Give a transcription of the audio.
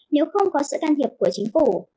nếu không có sự can thiệp của chính phủ